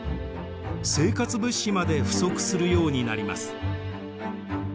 生活物資まで不足するようになります。